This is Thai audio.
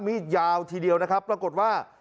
มีดยาวทีเดียวนะครับปรากฏว่า